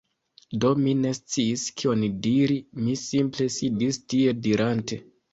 Do mi ne sciis kion diri, mi simple sidis tie, dirante "..."